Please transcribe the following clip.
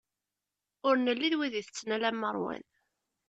Ur nelli d wid itetten alamma ṛwan.